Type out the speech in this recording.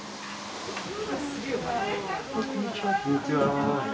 こんにちは。